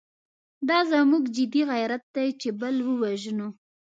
دا زموږ جدي غیرت دی چې بل ووژنو.